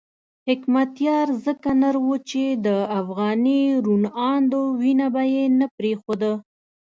حکمتیار ځکه نر وو چې د افغاني روڼاندو وینه به یې نه پرېښوده.